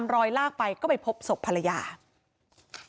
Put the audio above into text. ชาวบ้านในพื้นที่บอกว่าปกติผู้ตายเขาก็อยู่กับสามีแล้วก็ลูกสองคนนะฮะ